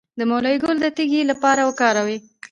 د مولی ګل د تیږې لپاره وکاروئ